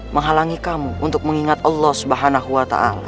menghalangi kamu untuk mengingat allah swt